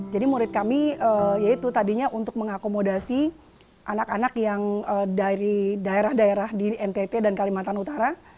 jadi murid kami yaitu tadinya untuk mengakomodasi anak anak yang dari daerah daerah di ntt dan kalimantan utara